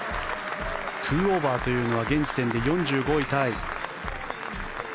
２オーバーというのは現時点で４５位タイ。